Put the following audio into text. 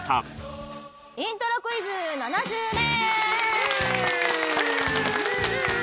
イントロクイズ７週目！